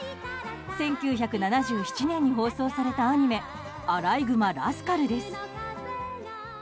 １９７７年に放送されたアニメ「あらいぐまラスカル」です。